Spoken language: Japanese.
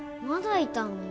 まだいたの？